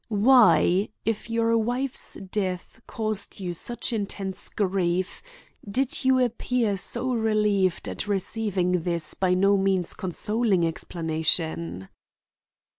"Why, if your wife's death caused you such intense grief, did you appear so relieved at receiving this by no means consoling explanation?"